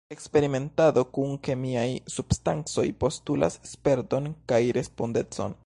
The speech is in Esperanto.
Eksperimentado kun kemiaj substancoj postulas sperton kaj respondecon.